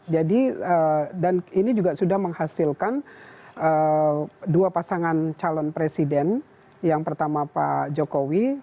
jadi dan ini juga sudah menghasilkan dua pasangan calon presiden yang pertama pak jokowi